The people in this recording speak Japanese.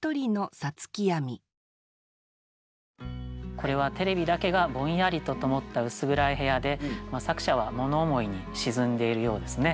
これはテレビだけがぼんやりとともった薄暗い部屋で作者は物思いに沈んでいるようですね。